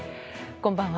こんばんは。